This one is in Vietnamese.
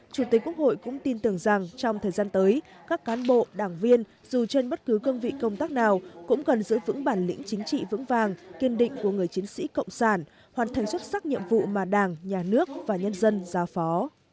chủ tịch quốc hội cũng tin tưởng rằng trong thời gian tới các cán bộ đảng viên dù trên bất cứ cương vị công tác nào cũng cần giữ vững bản lĩnh chính trị vững vàng kiên định của người chiến sĩ cộng sản hoàn thành xuất sắc nhiệm vụ mà đảng nhà nước và nhân dân giao phó